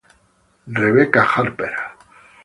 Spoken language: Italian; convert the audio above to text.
Rebecca Harper